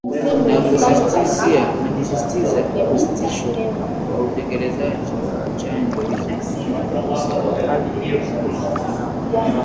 na kusisitiza kusitishwa kwa utekelezaji wa chanjo hizo